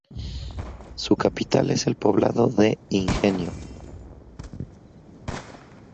Su capital es el poblado de "Ingenio"